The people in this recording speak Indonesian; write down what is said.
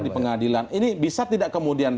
di pengadilan ini bisa tidak kemudian